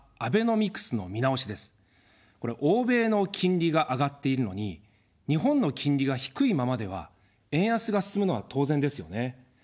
これは欧米の金利が上がっているのに、日本の金利が低いままでは円安が進むのは当然ですよね。